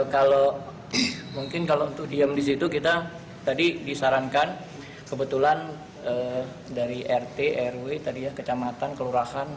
kalau mungkin kalau untuk diam di situ kita tadi disarankan kebetulan dari rt rw tadi ya kecamatan kelurahan